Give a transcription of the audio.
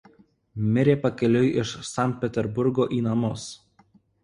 Mirė pakeliui iš Sankt Peterburgo į namus.